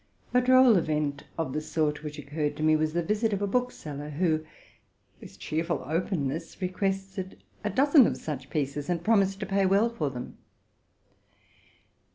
A droll event of the aie which occurred to me, was the visit of a bookseller, who, with cheerful openness, requested a dozen of such pieces, and promised to pay well for them.